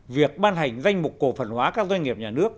việc ban hành danh mục cổ phần hóa các doanh nghiệp nhà nước